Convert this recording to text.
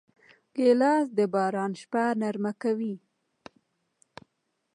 ګیلاس د باران شپه نرمه کوي.